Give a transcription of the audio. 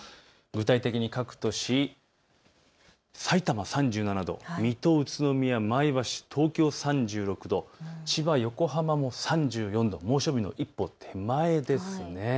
具体的に各都市、さいたま３７度、水戸、宇都宮、前橋、東京３６度、千葉、横浜も３４度、猛暑日の一歩手前です。